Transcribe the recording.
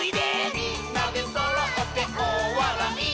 「みんなでそろっておおわらい」